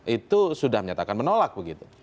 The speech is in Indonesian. itu sudah menyatakan menolak begitu